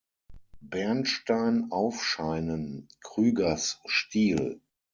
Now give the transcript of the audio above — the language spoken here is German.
Bernstein aufscheinen, Krügers Stil.